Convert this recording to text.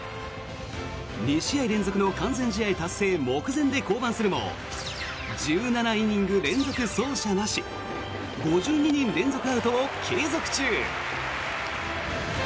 ２試合連続の完全試合達成目前で降板するも１７イニング連続走者なし５２人連続アウトを継続中。